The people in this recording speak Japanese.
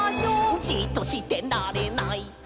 「じっとしてられない！」